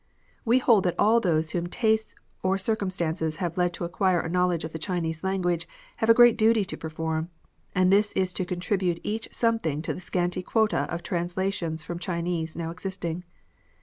We hold that all those whom tastes or cir cumstances have led to acquire a knowledge of the Chinese language have a great duty to perform, and this is to contribute each something to the scanty quota of translations from Chinese now existing.